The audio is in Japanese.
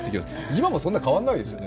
今もそんなに変わらないですよね。